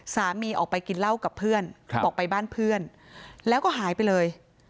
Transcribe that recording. สามีออกไปกินเหล้ากับเพื่อนออกไปบ้านเพื่อนแล้วก็หายไปเลย